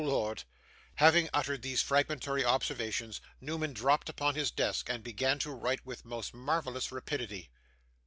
Oh Lord!' Having uttered these fragmentary observations, Newman dropped upon his desk and began to write with most marvellous rapidity.